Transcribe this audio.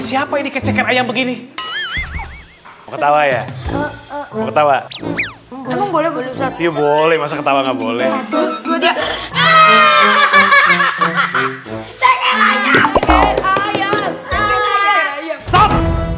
siapa ini kecekan ayam begini ketawa ya ketawa boleh boleh masak masak